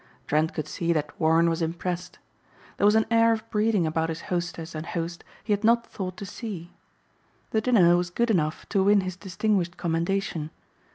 Trent could see that Warren was impressed. There was an air of breeding about his hostess and host he had not thought to see. The dinner was good enough to win his distinguished commendation.